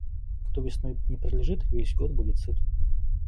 Кто весной не пролежит, весь год будет сыт.